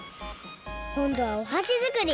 こんどはおはし作り！